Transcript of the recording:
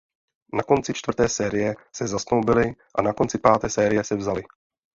Na konci čtvrté série se zasnoubili a na konci páté série se vzali.